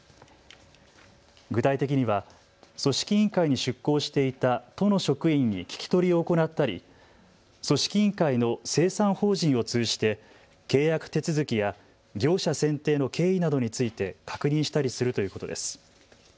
具体的には組織委員会に出向していた都の職員に聞き取りを行ったり、組織委員会の清算法人を通じて契約手続きや業者選定の経緯などについて確認したりするということです。